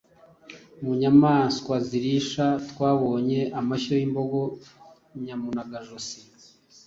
Mu nyamaswa zirisha twabonye amashyo y’imbogo, nyamunagajosi